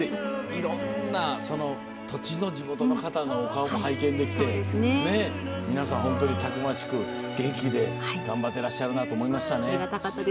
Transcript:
いろんな土地の地元の方のお顔も拝見できて皆さん本当にたくましく元気で頑張ってらっしゃるなと思いました。